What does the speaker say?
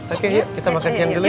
oke yuk kita makan siang dulu